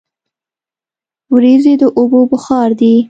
وریځې د اوبو بخار دي.